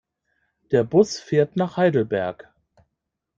Der Bus fährt nach Heidelberg